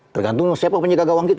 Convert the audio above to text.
tergantung siapa penjaga gawang kita